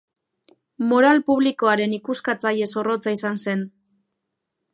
Moral publikoaren ikuskatzaile zorrotza izan zen.